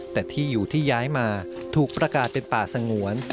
แต่ที่อยู่ที่ย้ายมาถูกประกาศเป็นป่าสงวน